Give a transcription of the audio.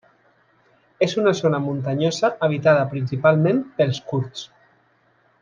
És una zona muntanyosa habitada principalment pels kurds.